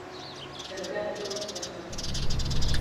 Һеҙгә зур рәхмәт.